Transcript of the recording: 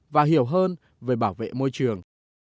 và hiểu hơn về bảo vệ môi trường